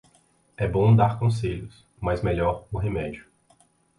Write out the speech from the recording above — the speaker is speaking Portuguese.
É bom dar conselhos, mas melhor o remédio.